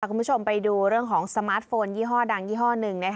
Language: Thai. คุณผู้ชมไปดูเรื่องของสมาร์ทโฟนยี่ห้อดังยี่ห้อหนึ่ง